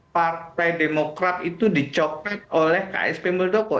partai demokrat itu dicopet oleh ksp muldoko